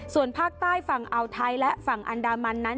ส่วนภาคใต้ฝั่งอาวไทยและฝั่งอันดามันนั้น